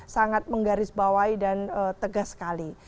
sangat menggarisbawahi dan tegas sekali